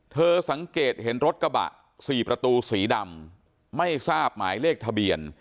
สังเกตเห็นรถกระบะ๔ประตูสีดำไม่ทราบหมายเลขทะเบียน